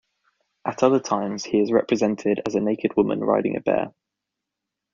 At other times he is represented as a naked woman riding a bear.